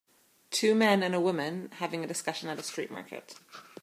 Two men and a woman having a discussion at a street market.